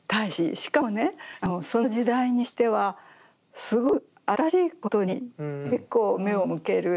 しかもねその時代にしてはすごく新しいことに結構目を向ける。